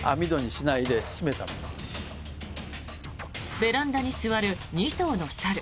ベランダに座る２頭の猿。